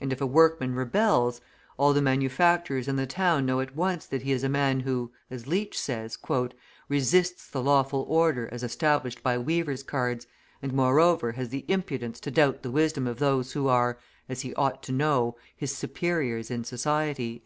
And if a workman rebels, all the manufacturers in the town know at once that he is a man who, as Leach says, "resists the lawful order as established by weavers' cards, and, moreover, has the impudence to doubt the wisdom of those who are, as he ought to know, his superiors in society."